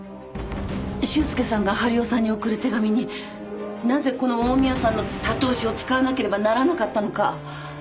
修介さんが治代さんに送る手紙になぜこの近江屋さんのたとう紙を使わなければならなかったのか？